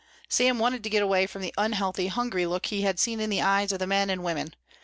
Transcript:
Sam wanted to get away from the unhealthy, hungry look he had seen in the eyes of the men and women.